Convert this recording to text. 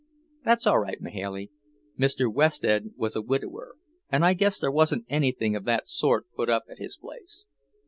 "That's all right, Mahailey. Mr. Wested was a widower, and I guess there wasn't anything of that sort put up at his place."